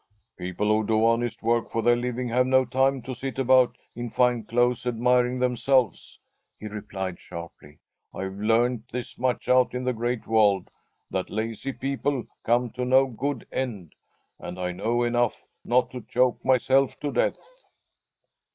"People who do honest work for their living have no time to sit about in fine clothes admiring themselves," he replied sharply. "I've learned this much out in the Great World, that lazy people come to no good end, and I know enough not to choke myself to death."